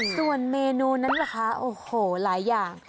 ส่วนเมนูนั้นล่ะคะโอ้โหหลายอย่าง